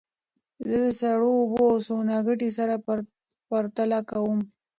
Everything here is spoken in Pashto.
زه د سړو اوبو او سونا ګټې سره پرتله کوم.